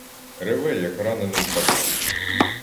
Реве, як ранений кабан;